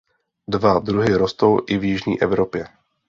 Dva druhy rostou i v jižní Evropě.